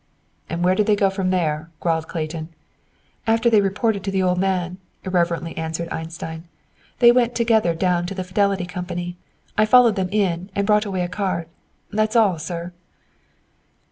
"And where did they go from there?" growled Clayton. "After they reported to the old man," irreverently answered Einstein, "they went together down to the Fidelity Company. I followed them in and brought away a card. That's all, sir!"